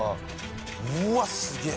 うわっすげえ。